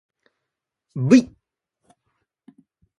ｖ